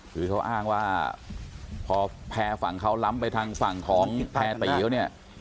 คือเขาอ้างว่าพอแพร่ฝั่งเขาล้ำไปทางฝั่งของแพรตีเขาเนี่ย